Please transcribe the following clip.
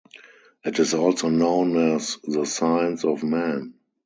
It is also known as "the science of men".